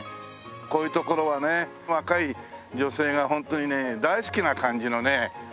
こういう所はね若い女性がホントにね大好きな感じの所みたいですよね。